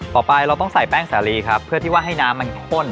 ต่อไปเราต้องใส่แป้งสาลีครับเพื่อที่ว่าให้น้ำมันข้น